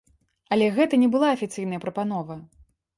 Але гэта не была афіцыйная прапанова.